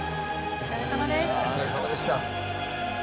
お疲れさまでした。